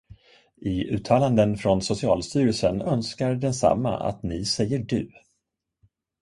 I uttalanden från Socialstyrelsen önskar densamma att ni säger du.